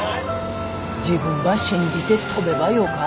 自分ば信じて飛べばよか。